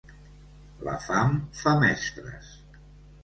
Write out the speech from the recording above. La fam fa mestres.